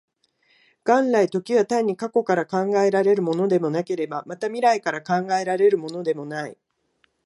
元来、時は単に過去から考えられるものでもなければ、また未来から考えられるものでもない。